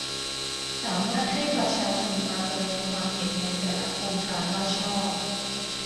สามารถให้ประชาชนมาแสดงความเห็นในแต่ละโครงการว่าชอบ